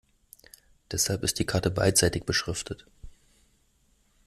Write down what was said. Deshalb ist die Karte beidseitig beschriftet.